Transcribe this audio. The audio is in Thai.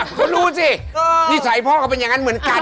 งั้นสิพี่ชายพ่อก็เป็นอย่างงั้นเหมือนกัน